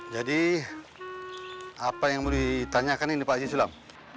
jadi apa yang mau ditanyakan ini pak haji sulam